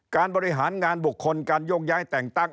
การบริหารงานบุคคลการโยกย้ายแต่งตั้ง